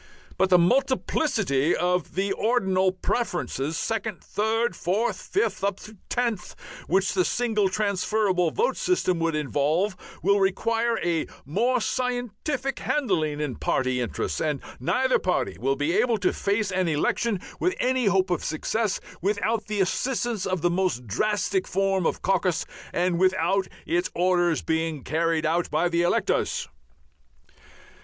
But the multiplicity of ordinal preferences, second, third, fourth, fifth, up to tenth, which the single transferable vote system would involve, will require a more scientific handling in party interests, and neither party will be able to face an election with any hope of success without the assistance of the most drastic form of caucus and without its orders being carried out by the electors."